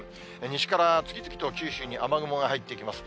西から次々と九州に雨雲が入っていきます。